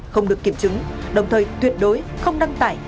không được kiểm chứng đồng thời tuyệt đối không đăng tải